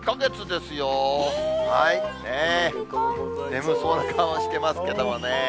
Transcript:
眠そうな顔してますけどね。